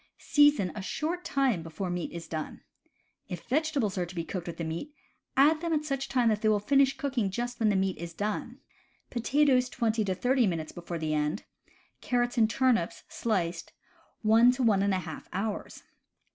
Season a short time before meat is done. If vegetables are to be cooked with the meat, add them at such time that they will just finish cooking when the meat is done (potatoes twenty to thirty minutes before the end; carrots and turnips, sliced, one to one and a half hours)